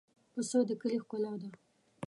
پسه د کلي ښکلا ده.